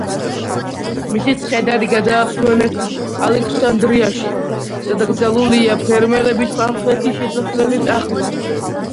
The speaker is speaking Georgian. მისი ცხედარი გადაასვენეს ალექსანდრიაში და დაკრძალულია ფერმერების სამხრეთი შესასვლელის ახლოს.